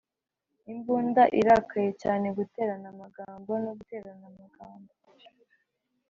imbunda irakaye cyane guterana amagambo no guterana amagambo,